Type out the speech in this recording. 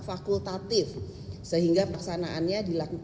lima cuti bersama di sektor swasta merupakan bagian yang lebih penting